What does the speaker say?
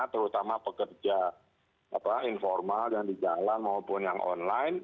terutama pekerja informal yang di jalan maupun yang online